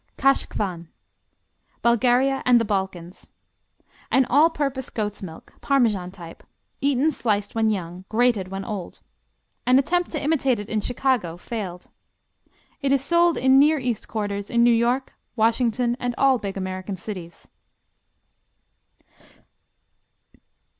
Kash Kwan Bulgaria and the Balkans An all purpose goat's milk, Parmesan type, eaten sliced when young, grated when old. An attempt to imitate it in Chicago failed. It is sold in Near East quarters in New York, Washington and all big American cities.